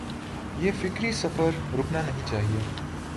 یہ فکری سفر رکنا نہیں چاہیے۔